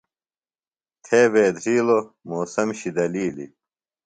تھے بیدھرِیلوۡ۔ موسم شِدلِیلیۡ۔